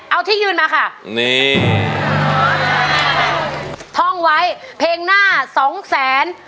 เอาที่ยืนมาค่ะนี่ท่องไว้เพลงหน้าสองแสน